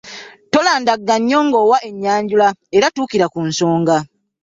Tolandagga nnyo ng’owa ennyanjula era tuukira ku nsonga.